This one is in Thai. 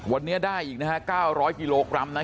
วันนี้ได้อีก๙๐๐กิโลกรัมนะ